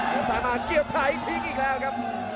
แล้วซ้ายมาเกียบไทยทิ้งอีกแล้วครับ